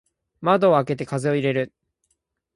窓を開けて風を入れる。